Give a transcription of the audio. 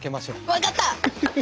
わかった！